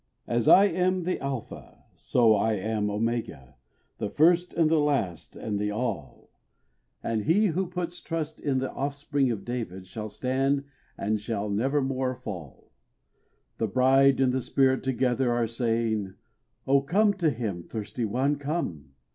"As I am the Alpha, so I am Omega, The First and the Last and the All; And he who puts trust in the Offspring of David, Shall stand and shall nevermore fall." The Bride and the Spirit together are saying: "Oh, come to Him, thirsty one, come!"